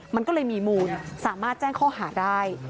มันก็เลยมีมูลสามารถแจ้งข้อหาได้